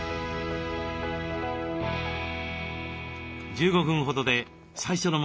１５分ほどで最初の目的地